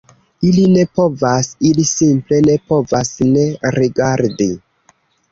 Ili ne povas, ili simple ne povas ne rigardi